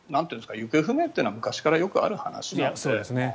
行方不明というのは昔からよくある話なので。